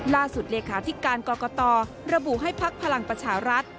ล่าสุดเลขาธิการกรกตระบุให้ภักดิ์พลังประชารัฐ